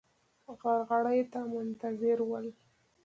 غرغړې ته منتظر ول.